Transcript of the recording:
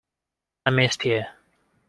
I missed you.